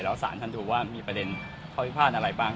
แล้วศาลแทนดูว่ามีประเด็นขายพิพากษ์อะไรบ้าง